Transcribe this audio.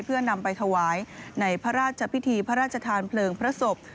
เพื่อนำไปถวายในพระราชพิธีพระราชทานเพลิงพระศพ